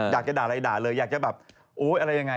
อยากจะด่าอะไรด่าเลยอยากจะแบบโอ๊ยอะไรยังไง